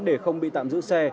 để không bị tạm giữ xe